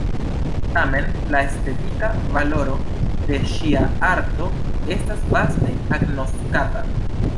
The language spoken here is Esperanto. Tamen la estetika valoro de ŝia arto estas vaste agnoskata.